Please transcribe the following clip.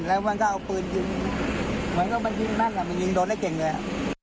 แล้วมันก็เอาปืนยิงเหมือนกับมันยิงนั่นมันยิงโดนได้เก่งเลยอ่ะ